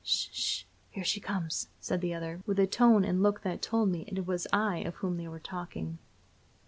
"'Sh 'sh here she comes," said another, with the tone and look that told me it was I of whom they were talking.